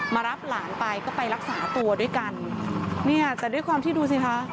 มารับหลานไปก็ไปรักษาตัวด้วยกันเนี่ยแต่ด้วยความที่ดูสิคะ